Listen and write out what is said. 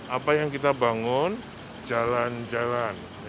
apa yang kita bangun jalan jalan